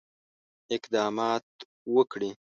اقدامات وکړي.